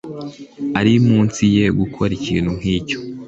Ari munsi ye gukora ikintu nkicyo